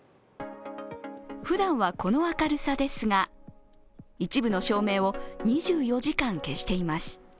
ふだんはこの明るさですが一部の照明を２４時間消しています。